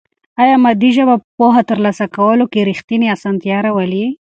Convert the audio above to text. آیا مادي ژبه په پوهه ترلاسه کولو کې رښتینې اسانتیا راولي؟